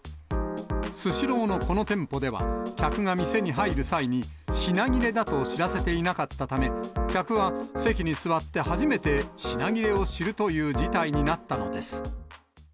スシローのこの店舗では、客が店に入る際に、品切れだと知らせていなかったため、客は席に座って初めて品切れを知るという事態になったのです。